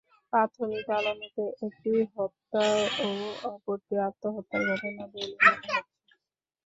প্রাথমিক আলামতে একটি হত্যা ও অপরটি আত্মহত্যার ঘটনা বলে মনে হচ্ছে।